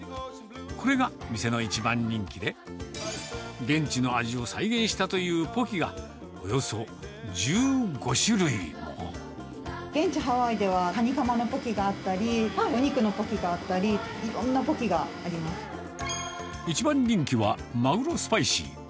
これが店の一番人気で、現地の味を再現したというポキが、現地、ハワイではカニカマのポキがあったり、お肉のポキがあったり、一番人気はマグロスパイシー。